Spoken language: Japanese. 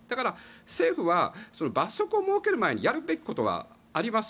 政府は罰則を設ける前にやるべきことはあります。